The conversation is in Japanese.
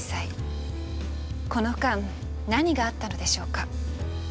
この間何があったのでしょうか。